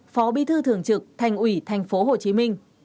phó bí thư thường trực thành ủy tp hcm